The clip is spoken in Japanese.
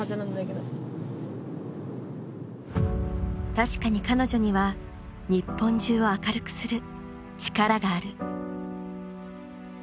確かに彼女には日本中を明るくする力がある。